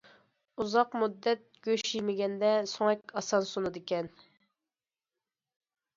ئۇزاق مۇددەت گۆش يېمىگەندە، سۆڭەك ئاسان سۇنىدىكەن.